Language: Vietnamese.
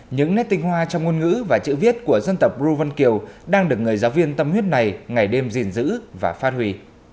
những nét tinh hoa trong ngôn ngữ và chữ viết của dân tộc ru vân kiều đang được người giáo viên tâm huyết này ngày đêm gìn giữ và phát huy